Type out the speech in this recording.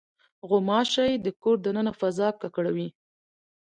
غوماشې د کور د دننه فضا ککړوي.